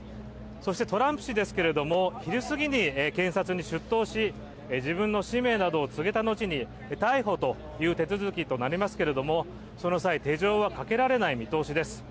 そしてトランプ氏ですけれども昼すぎに検察に出頭し自分の氏名などを告げた後に逮捕という手続きとなりますけれどもその際、手錠はかけられない見通しです。